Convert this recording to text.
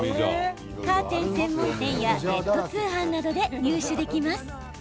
カーテン専門店やネット通販などで入手できます。